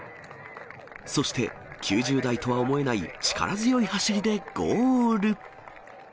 そして、９０代とは思えない力強い走りでゴール。